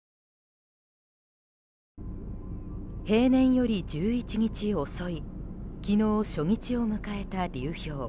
平年より１１日遅い昨日初日を迎えた流氷。